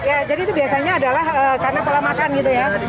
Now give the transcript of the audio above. ya jadi itu biasanya adalah karena pola makan gitu ya